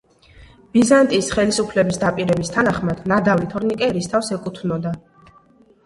ბიზანტიის ხელისუფლების დაპირების თანახმად, ნადავლი თორნიკე ერისთავს ეკუთვნოდა.